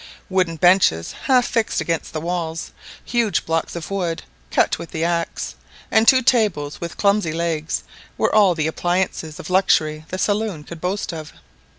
Wooden benches half fixed against the walls, huge blocks of wood cut with the axe, and two tables with clumsy legs, were all the appliances of luxury the saloon could boast of.